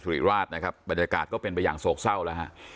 ริราชนะครับบรรยากาศก็เป็นไปอย่างโศกเศร้าแล้วฮะ